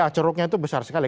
ceruknya itu besar sekali